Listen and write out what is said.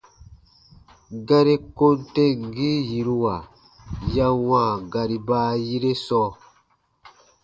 Gari kom temgii yiruwa ya wãa gari baayire sɔɔ.